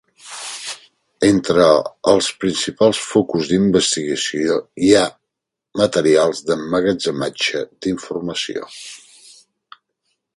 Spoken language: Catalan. Entre els principals focus d'investigació hi ha materials d'emmagatzematge d'informació.